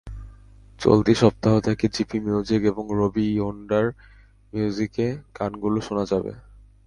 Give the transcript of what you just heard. চলতি সপ্তাহ থেকে জিপি মিউজিক এবং রবি ইয়োন্ডার মিউজিকে গানগুলা শোনা যাবে।